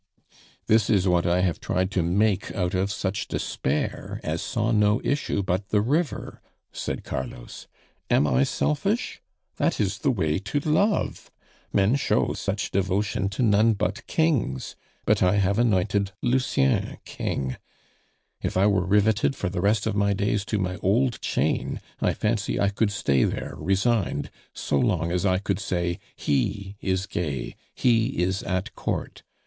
"This is what I have tried to make out of such despair as saw no issue but the river," said Carlos. "Am I selfish? That is the way to love! Men show such devotion to none but kings! But I have anointed Lucien king. If I were riveted for the rest of my days to my old chain, I fancy I could stay there resigned so long as I could say, 'He is gay, he is at Court.